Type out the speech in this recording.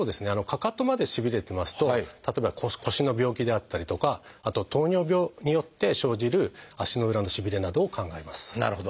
かかとまでしびれてますと例えば腰の病気であったりとかあと糖尿病によって生じる足の裏のしびれなどを考えます。